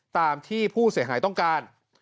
ตามที่ผู้เสียหายต้องการ